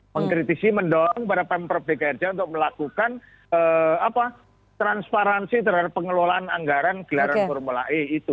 mengkritisi mendorong kepada pemprov dki untuk melakukan transparansi terhadap pengelolaan anggaran gelaran formula e itu